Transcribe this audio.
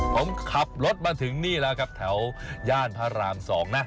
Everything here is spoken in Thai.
ผมขับรถมาถึงนี่แล้วครับแถวย่านพระราม๒นะ